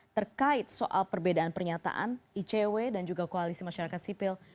terkait soal perbedaan pernyataan icw dan juga koalisi masyarakat sipil